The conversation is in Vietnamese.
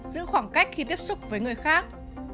giữ khoảng cách khi tiếp xúc với người khác